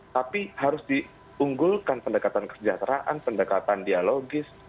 tapi harus diunggulkan pendekatan kesejahteraan pendekatan dialogis